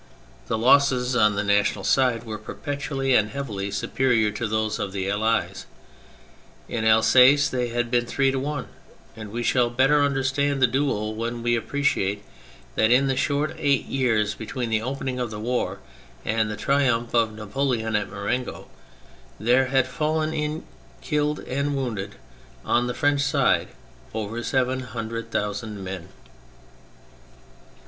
The losses on the National side 204 THE FRENCH REVOLUTION were perpetually and heavily superior to those of the Allies — in Alsace they had been three to one ; and we shall better understand the duel when we appreciate that in the short eight years between the opening of the war and the triumph of Napoleon at Marengo, there had fallen in killed and wounded, on the French side, over seven hundred thousand men.